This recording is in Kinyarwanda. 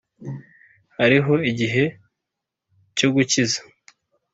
Hariho igihe cyo gukiza